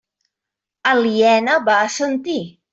Aliena va assentir.